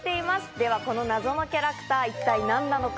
ではこの謎のキャラクター、一体何なのか？